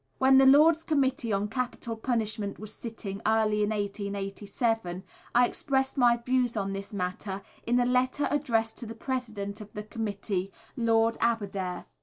When the Lords' Committee on Capital Punishment was sitting, early in 1887, I expressed my views on this matter in a letter addressed to the President of the Committee, Lord Aberdare.